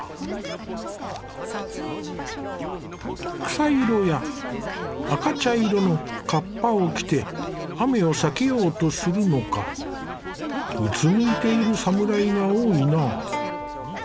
草色や赤茶色の合羽を着て雨を避けようとするのかうつむいている侍が多いな。